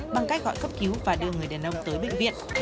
bằng cách gọi cấp cứu và đưa người đàn ông tới bệnh viện